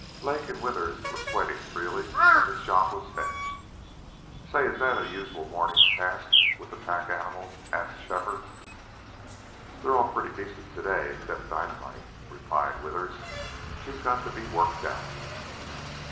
Lake and Withers were sweating freely when this job was finished. "Say, is that a usual morning's task with the pack animals?" asked Shefford. "They're all pretty decent to day, except Dynamite," replied Withers. "She's got to be worked out."